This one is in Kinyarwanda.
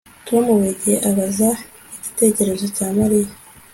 Tom buri gihe abaza igitekerezo cya Mariya